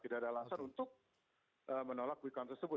tidak ada alasan untuk menolak qicon tersebut